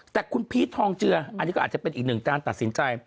แต่คุณพีชทองเจืออันนี้ก็อาจจะเป็นอีกหนึ่งการตัดสินใจ